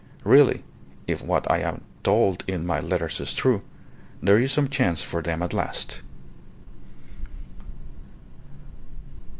Really, if what I am told in my letters is true, there is some chance for them at last."